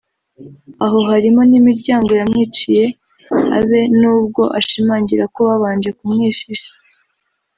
aho harimo n’imiryango yamwiciye abe nubwo ashimangira ko babanje kumwishisha